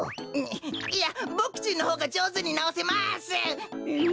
いやボクちんのほうがじょうずになおせます！